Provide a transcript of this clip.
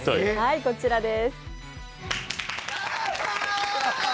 こちらです。